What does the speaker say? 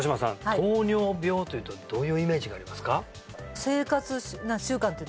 糖尿病というとどういうイメージがありますか？